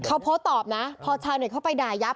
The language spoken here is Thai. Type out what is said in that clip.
เขาโพสต์ตอบนะพอชาวเน็ตเข้าไปด่ายับ